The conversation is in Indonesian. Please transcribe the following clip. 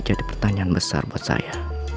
pertanyaan besar buat saya